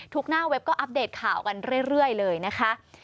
หน้าเว็บก็อัปเดตข่าวกันเรื่อยเลยนะคะ